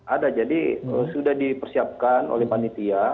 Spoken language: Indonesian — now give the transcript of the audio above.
ada jadi sudah dipersiapkan oleh panitia